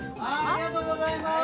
ありがとうございます。